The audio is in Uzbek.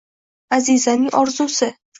Azizaning orzusi